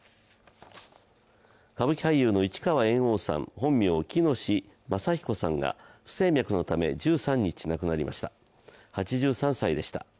歌舞伎俳優の市川猿翁さん、本名・喜熨斗政彦さんが不整脈のため、１３日亡くなりました８３歳でした。